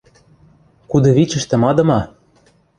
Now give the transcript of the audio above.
Кудывичӹштӹ мадыма.